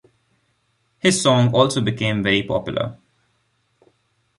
His song also became very popular.